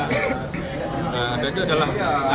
nah ada yang menerima